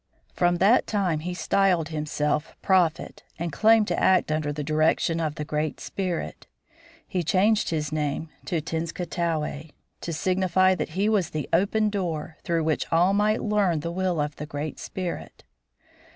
From that time he styled himself "Prophet" and claimed to act under the direction of the Great Spirit. He changed his name to Tenskwatawa to signify that he was the "Open Door," through which all might learn the will of the Great Spirit.